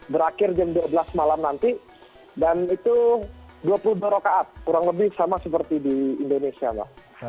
berakhir jam dua belas malam nanti dan itu dua puluh dua rokaat kurang lebih sama seperti di indonesia mbak